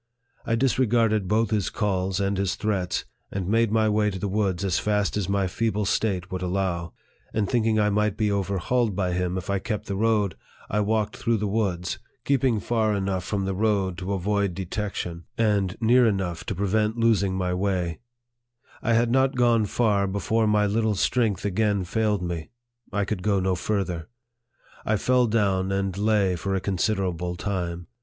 I disregarded both his calls and his threats, and made my way to the woods as fast as my feeble state would allow ; and thinking I might be overhauled by him if I kept the road, I walked through the woods, keeping far enough from the road to avoid 68 NARRATIVE OF THE detection, and near enough to prevent losing my way I had not gone far before my little strength again failed me. I could go no farther. I fell down, and lay for a considerable time.